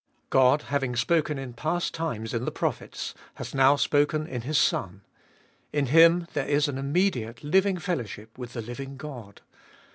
God, having spoken in past times in the prophets, hath now spoken in His Son ; in Him there is an immediate living fellowship with the living God.